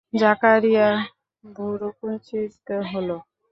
জাকারিয়ার ভুরু কুঞ্চিত হল।